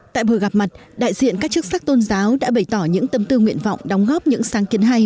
tại buổi gặp mặt đại diện các chức sắc tôn giáo đã bày tỏ những tâm tư nguyện vọng đóng góp những sáng kiến hay